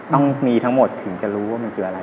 ต้องมีทั้งหมดถึงจะรู้ว่ามันคืออะไร